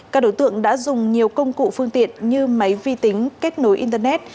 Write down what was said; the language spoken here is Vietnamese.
các đối tượng đã dùng nhiều công cụ phương tiện như máy vi tính kết nối internet